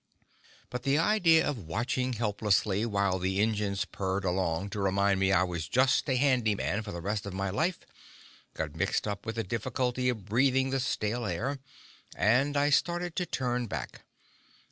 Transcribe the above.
But the idea of watching helplessly while the engines purred along to remind me I was just a handyman for the rest of my life got mixed up with the difficulty of breathing the stale air, and I started to turn back.